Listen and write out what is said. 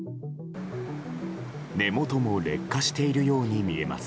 根元も劣化しているように見えます。